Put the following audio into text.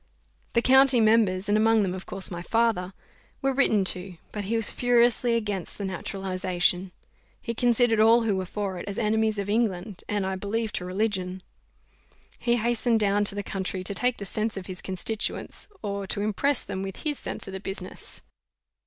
The county members, and among them of course my father, were written to; but he was furiously against the naturalization: he considered all who were for it as enemies to England; and, I believe, to religion. He hastened down to the country to take the sense of his constituents, or to impress them with his sense of the business.